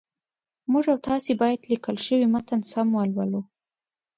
موږ او تاسي باید لیکل شوی متن سم ولولو